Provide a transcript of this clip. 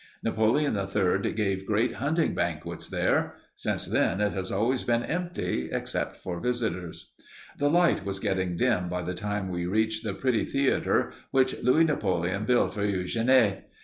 Napoleon III gave great hunting banquets there. Since then it has always been empty, except for visitors. The light was getting dim by the time we reached the pretty theater which Louis Napoleon built for Eugénie.